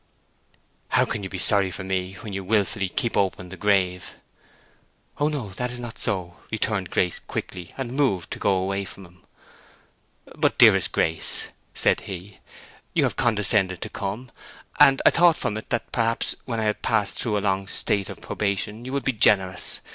"How can you be sorry for me, when you wilfully keep open the grave?" "Oh no—that's not so," returned Grace, quickly, and moved to go away from him. "But, dearest Grace," said he, "you have condescended to come; and I thought from it that perhaps when I had passed through a long state of probation you would be generous.